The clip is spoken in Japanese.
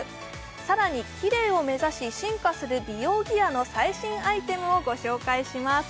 さらにキレイを目指し進化する美容ギアの最新アイテムをご紹介します